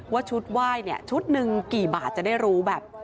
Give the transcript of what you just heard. ว่าชุดไหว้เนี่ยชุดหนึ่งกี่บาทจะได้รู้แบบ